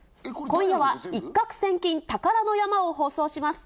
今夜は一攫千金宝の山を放送します。